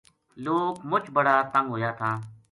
لوک مُچ بڑا تنگ ہویا تھا